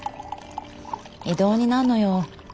異動になんのよ。